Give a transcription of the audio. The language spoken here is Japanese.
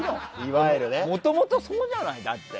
もともとそうじゃない、だって。